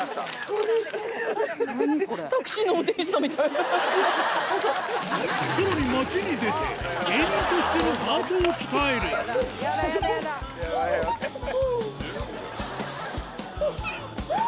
さらに街に出て芸人としてのハートを鍛えるヤバいヤバい。